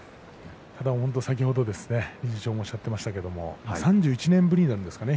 先ほど理事長もおっしゃっていましたけど３１年ぶりになるんですね。